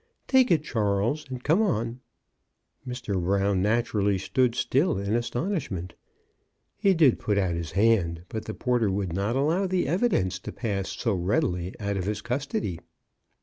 Take it, Charles, and come on." Mr. Brown naturally stood still in astonishment. He did put out his hand, but the porter would not allow the evidence to pass so readily out of his custody.